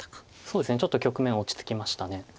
そうですねちょっと局面落ち着きました。